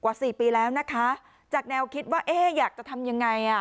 สี่ปีแล้วนะคะจากแนวคิดว่าเอ๊ะอยากจะทำยังไงอ่ะ